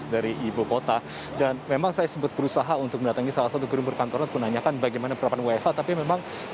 dito selamat malam